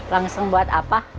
langseng buat apa